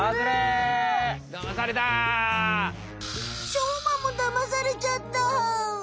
しょうまもだまされちゃった。